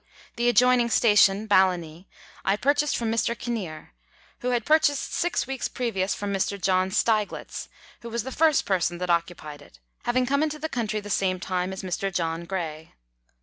The adjoining station (Ballanee) I purchased from Mr. Kinnear, who had purchased six weeks previous from Mr. John Steiglitz, who was the first person that occupied it, having come into the country the same time as Mr. John Gray.